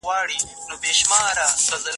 هغه څوک چې روغ دي باید له ناروغانو لرې پاتې شي.